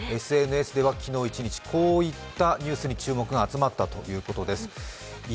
ＳＮＳでは昨日一日こういったニュースに注目が集まったということです。